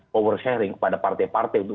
power sharing kepada partai partai